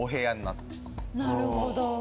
なるほど。